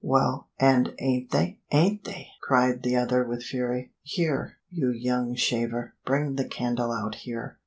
"Well! and ain't they?" "Ain't they!" cried the other with fury. "Here, you young shaver, bring the candle out here.